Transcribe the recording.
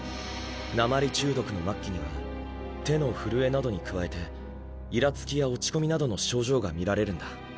鉛中毒の末期には手の震えなどに加えてイラつきや落ち込みなどの症状が見られるんだ。